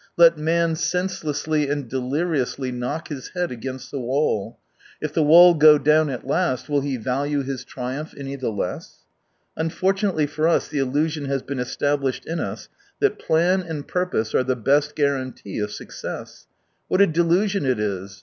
Let man senselessly and deliriously knock his head against the wall — if the wall go down at last, will he value his triumph any the less ? Unfortunately for us the illusion has been established in us that plan and purpose are the best guarantee of success. What a delusion it is